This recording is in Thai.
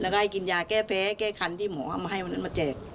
แล้วไกกินยาแก้แพ้แก้คันที่หมอให้เมื่อนั้นมาแจก